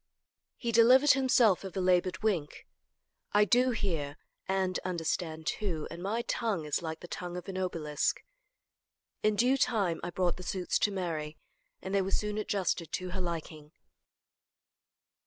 He delivered himself of a labored wink. "I do hear and understand, too, and my tongue is like the tongue of an obelisk." In due time I brought the suits to Mary, and they were soon adjusted to her liking.